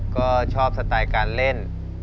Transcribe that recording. ก็ชอบสไตล์การเล่น